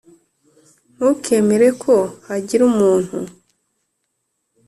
ntukemere ko hagira umuntu